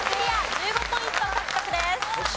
１５ポイント獲得です。